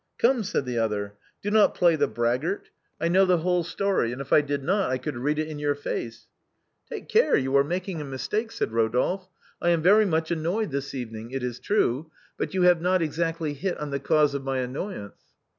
" Come," said the other, " do not play the braggart, I 286 THE BOHEMIANS OF THE LATIN QUAETER. know the whole story, and if I did not, I could read it in your face." " Take care, you are making a mistake/' said Eodolphe, " I am very much annoyed this evening, it is true, but you have not exactly hit on the cause of my annoyance."